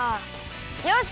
よし！